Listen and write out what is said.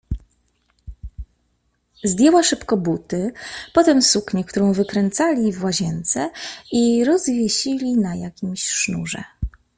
Zdjęła szybko buty, potem suknię, którą wykręcali w łazience i rozwiesili na jakimś sznurze.